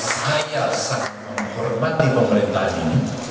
saya sangat menghormati pemerintahan ini